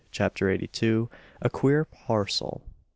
CHAPTER EIGHTY TWO. A QUEER PARCEL.